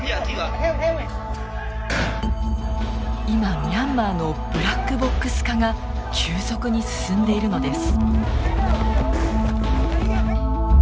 今ミャンマーのブラックボックス化が急速に進んでいるのです。